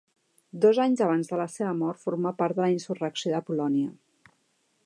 Dos anys abans de la seva mort formà part de la insurrecció de Polònia.